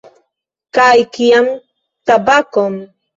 Kaj kian tabakon?